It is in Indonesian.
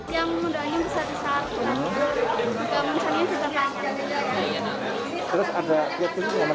yang mendoannya besar besar yang mencari juga tangan